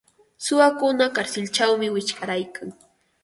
Suwakuna karsilćhawmi wichqaryarkan.